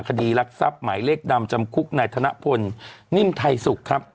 คดีรักษัพหมายเลขดำจำคุกในธนพลนิ่มไทยศุกร์ครับ